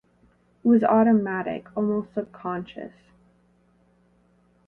It was automatic, almost subconscious.